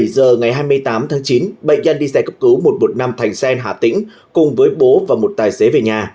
bảy giờ ngày hai mươi tám tháng chín bệnh nhân đi xe cấp cứu một trăm một mươi năm thành xen hà tĩnh cùng với bố và một tài xế về nhà